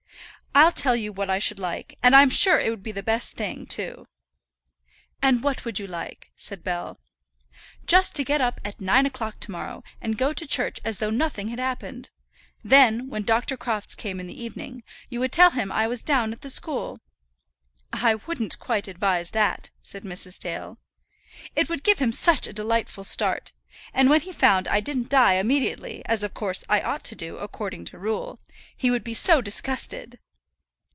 I'll tell you what I should like; and I'm sure it would be the best thing, too." "And what would you like?" said Bell. "Just to get up at nine o'clock to morrow, and go to church as though nothing had happened. Then, when Dr. Crofts came in the evening, you would tell him I was down at the school." "I wouldn't quite advise that," said Mrs. Dale. "It would give him such a delightful start. And when he found I didn't die immediately, as of course I ought to do according to rule, he would be so disgusted."